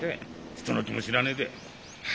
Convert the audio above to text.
人の気も知らねえで。